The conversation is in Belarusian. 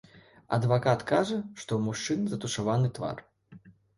Адвакат кажа, што ў мужчыны затушаваны твар.